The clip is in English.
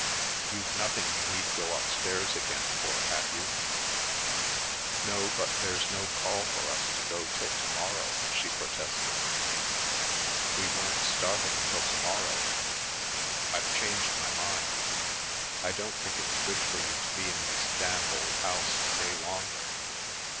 You've nothing you need go upstairs again for, have you ?"" No, but there's no call for us to go till to morrow," she protested, "we weren't starting till to morrow." " I've changed my mind. I don't think it's good for you to be in this damp old house a day longer.